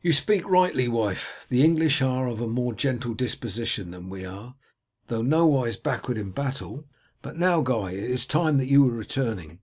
"You speak rightly, wife. The English are of a more gentle disposition than we are, though nowise backward in battle. But now, Guy, it is time that you were returning.